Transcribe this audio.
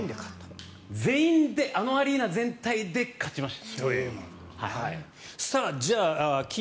前半であのアリーナ全体で勝ちました。